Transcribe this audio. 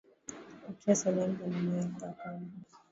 Pokea salamu za mama yako wa kambo.